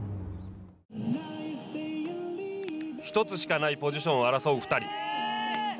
１つしかないポジションを争う２人。